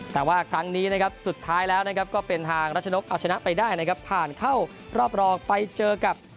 แต่ว่าครั้งนี้สุดท้ายแล้วก็เป็นทางรัชนกอาชะนักไปได้ผ่านเข้ารอบรองไปเจอกับ